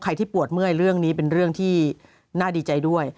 ที่ปวดเมื่อยเรื่องนี้เป็นเรื่องที่น่าดีใจด้วย